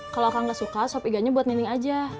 kalau akang gak suka sop iganya buat nining aja